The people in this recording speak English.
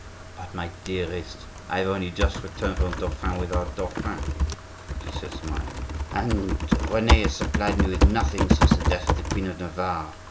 "But, my dearest, I have only just returned from Dauphine with our dauphin," she said, smiling, "and Rene has supplied me with nothing since the death of the Queen of Navarre.